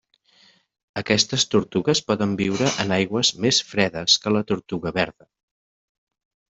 Aquestes tortugues poden viure en aigües més fredes que la tortuga verda.